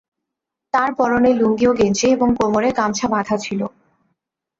তাঁর পরনে লুঙ্গি ও গেঞ্জি এবং কোমরে গামছা বাঁধা ছিল।